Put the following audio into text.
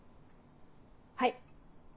はい。